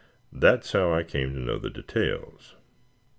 That is how I came to know the details.